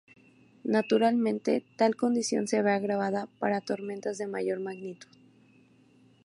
Naturalmente, tal condición se ve agravada para tormentas de mayor magnitud.